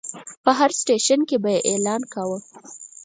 په هر سټیشن کې به یې اعلان کاوه.